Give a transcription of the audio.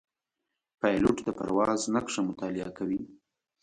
پیلوټ د پرواز نقشه مطالعه کوي.